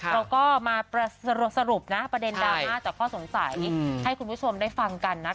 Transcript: เราก็มาสรุปนะประเด็นดราม่าจากข้อสงสัยให้คุณผู้ชมได้ฟังกันนะคะ